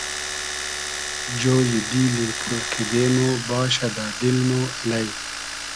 جۉیی دیلی پور کیدې مۉ باشۂ دۂ دیل مۉ الݷ